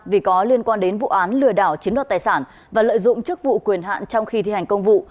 vì có liên quan đến vụ án lừa đảo chiếm đoạt tài sản và lợi dụng chức vụ quyền hạn trong khi thi hành công vụ